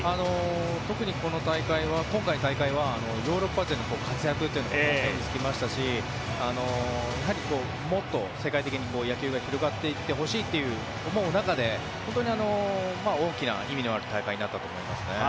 特に今大会はヨーロッパ勢の活躍が目につきましたしもっと世界的に野球が広がっていってほしいと思う中で本当に大きな意味のある大会になったと思います。